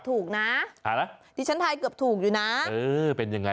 ที่ชั้นทายเกือบถูกนะ